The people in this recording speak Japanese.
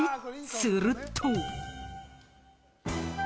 すると。